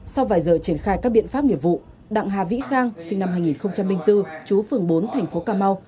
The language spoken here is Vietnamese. sau vài giờ triển khai các biện pháp nghiệp vụ đặng hà vĩ khang sinh năm hai nghìn bốn chú phường bốn thành phố cà mau